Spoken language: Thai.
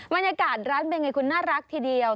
บรรยากาศร้านเป็นไงคุณน่ารักทีเดียว